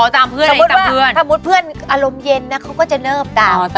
สมมุติเพื่อนอารมณ์เย็นเนี่ยเขาก็จะเนิ่บตาม